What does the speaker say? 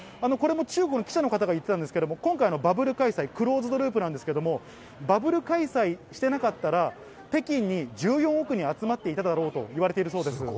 これも中国の記者の方が言ってたんですけど、今回、バブル開催、クローズ・ド・ループなんですけど、バブル開催してなかったら、北京に１４億人集まっていただろうといわれてるそうです。